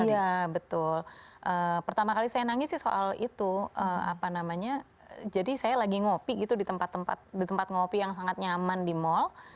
iya betul pertama kali saya nangis sih soal itu apa namanya jadi saya lagi ngopi gitu di tempat tempat di tempat ngopi yang sangat nyaman di mall